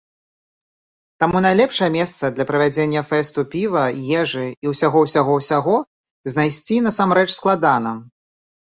Таму найлепшае месца для правядзення фэсту піва, ежы і ўсяго-ўсяго-ўсяго знайсці насамрэч складана.